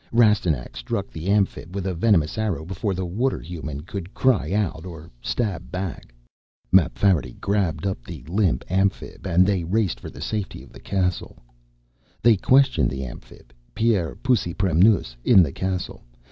Rastignac struck the Amphib with a venomous arrow before the Water human could cry out or stab back. Mapfarity grabbed up the limp Amphib and they raced for the safety of the castle. They questioned the Amphib, Pierre Pusipremnoos, in the castle.